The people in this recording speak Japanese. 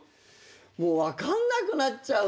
もう分かんなくなっちゃう。